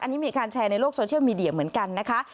อันนี้มีการแชร์ในโลกโซเชียลมีเดียเหมือนกันนะคะ